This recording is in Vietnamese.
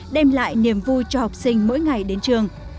đem lại niềm vui cho học sinh mỗi ngày đến trường